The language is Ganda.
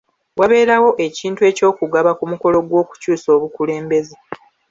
Waberawo ekintu eky'okugaba ku mukulo gw'okukyusa obukulembeze.